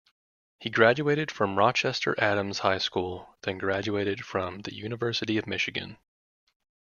He graduated from Rochester Adams High School, then graduated from the University of Michigan.